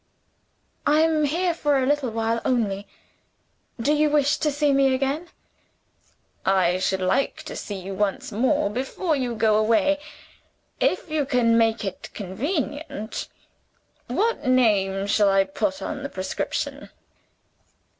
"I am here for a little while only. Do you wish to see me again?" "I should like to see you once more, before you go away if you can make it convenient. What name shall I put on the prescription?"